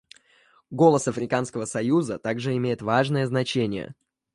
Голос Африканского союза также имеет важное значение.